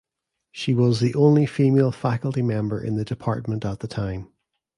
She was the only female faculty member in the department at the time.